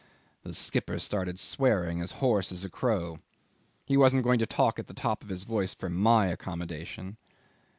The skipper started swearing, as hoarse as a crow. He wasn't going to talk at the top of his voice for my accommodation.